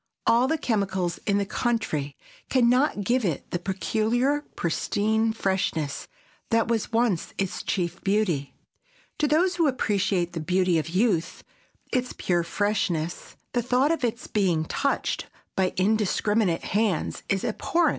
All the chemicals in the country can not give it the peculiar pristine freshness that was once its chief beauty. To those who appreciate the beauty of youth, its pure freshness, the thought of its being touched by indiscriminate hands is abhorrent.